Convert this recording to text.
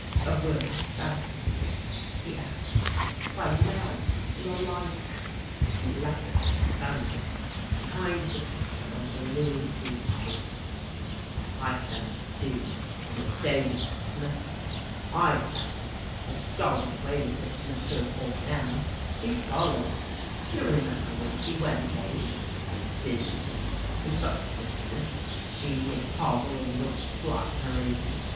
" A will was found? " he asked. " By Aladame, in the library. She left it where she found it — behind the picture over the Louis Seize table, I found it too, on the day you dismissed me. I found it, and started away with it to M'sieu' Fournel. She followed. You remember when she went — eh? On business — and such business — she and Havel and the old slut, Marie.